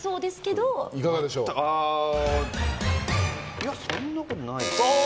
いや、そんなことないな。